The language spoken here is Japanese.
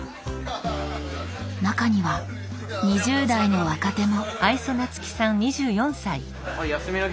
中には２０代の若手も。